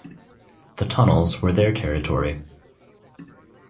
The tunnels were their territory.